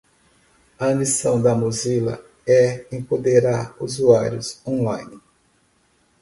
A missão da Mozilla é empoderar usuários online.